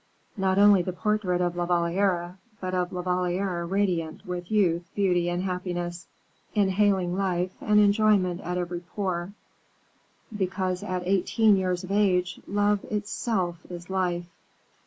Not only the portrait of La Valliere, but of La Valliere radiant with youth, beauty, and happiness, inhaling life and enjoyment at every pore, because at eighteen years of age love itself is life.